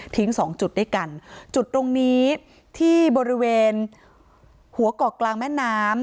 สองจุดด้วยกันจุดตรงนี้ที่บริเวณหัวเกาะกลางแม่น้ำ